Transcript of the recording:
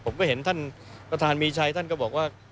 ผมก็เห็นท่านประธานมีชัยท่านก็บอกว่า